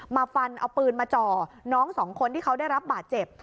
มาฟันเอาปืนมาจ่อน้องสองคนที่เขาได้รับบาดเจ็บ